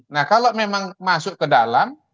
nah kalau memang masuk ke dalam